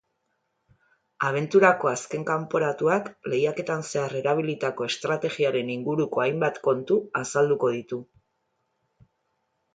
Abenturako azken kanporatuak lehiaketan zehar erabilitako estrategiaren inguruko hainbat kontu azalduko ditu.